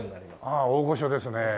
ああ大御所ですねえ。